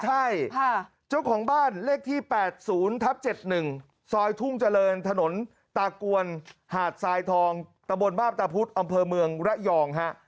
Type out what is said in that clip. ใช่เจ้าของบ้านเลขที่๘๐ทับ๗๑ซอยทุ่งเจริญถนนตากวนหาดทรายทองตะบนมาพตาพุธอำเภอเมืองระยองฮะ